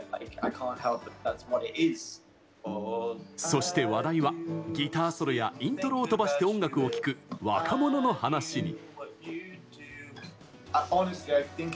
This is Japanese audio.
そして話題はギターソロやイントロを飛ばして音楽を聴く若者の話に。